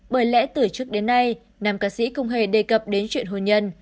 bởi lẽ từ trước đến nay nam ca sĩ không hề đề cập đến chuyện hồ nhân